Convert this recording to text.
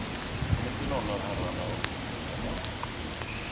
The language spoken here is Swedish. Om inte någon av herrarna har lust att följa med.